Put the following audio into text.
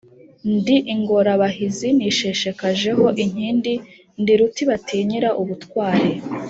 Ndi ingorabahizi nisheshekajeho inkindi, ndi ruti batinyira ubutwali